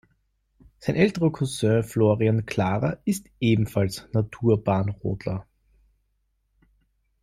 Sein älterer Cousin Florian Clara ist ebenfalls Naturbahnrodler.